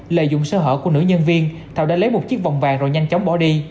lợi dụng sơ hở của nữ nhân viên thảo đã lấy một chiếc vòng vàng rồi nhanh chóng bỏ đi